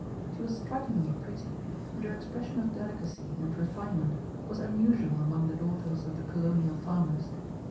She was strikingly pretty, and her expression of delicacy and refinement was unusual among the daughters of the colonial farmers.